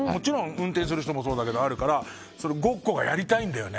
運転する人もそうだけどあるから修ごっこがやりたいんだよね。